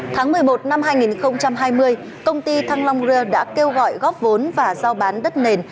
tháng một mươi một năm hai nghìn hai mươi công ty thăng long rer đã kêu gọi góp vốn và giao bán đất nền